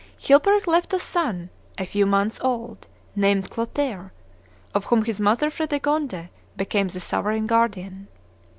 Chilperic left a son, a few months old, named. Clotaire, of whom his mother Fredegonde became the sovereign guardian.